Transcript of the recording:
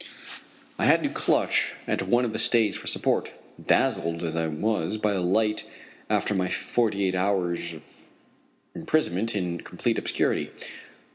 I had to clutch at one of the stays for support, dazzled as I was by the light after my forty eight hours' imprisonment in complete obscurity.